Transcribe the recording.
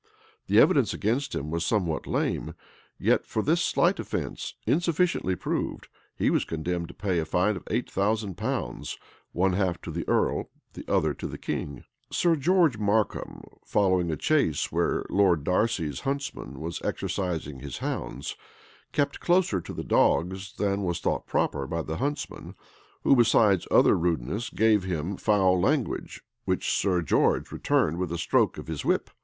The evidence against him was somewhat lame; yet for this slight offence, insufficiently proved, he was condemned to pay a fine of eight thousand pounds; one half to the earl, the other to the king.[] * Bush. vol. u. p, 269. Life of Clarendon, vol. i. p. 72. Lord Lansdown, p. 514. Sir George Markham, following a chase where Lord Darcy's huntsman was exercising his hounds, kept closer to the dogs than was thought proper by the huntsman, who, besides other rudeness, gave him foul language, which Sir George returned with a stroke of his whip.